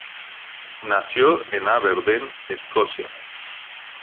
Nació en Aberdeen, Escocia.